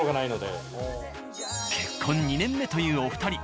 結婚２年目というお二人。